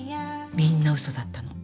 みんなウソだったの。